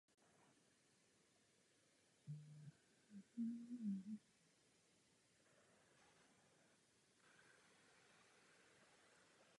Za Francouzské revoluce byl kostel zrušen a přeměněn na skladiště.